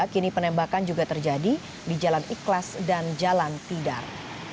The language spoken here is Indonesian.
kini penembakan juga terjadi di jalan ikhlas dan jalan tidar